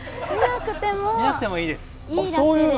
見なくてもいいです。